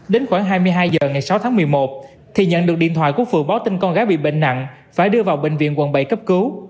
đến khoảng hai mươi hai h ngày sáu tháng một mươi một thì nhận được điện thoại của phường báo tin con gái bị bệnh nặng phải đưa vào bệnh viện quận bảy cấp cứu